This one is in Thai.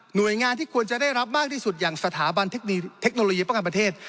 โดยงานที่ควรจะได้รับมากที่สุดอย่างสถาบันเทคโนโลยีป้องกันประเทศ